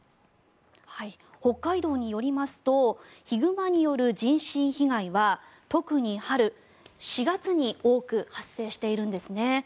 北海道によりますとヒグマによる人身被害は特に春、４月に多く発生しているんですね。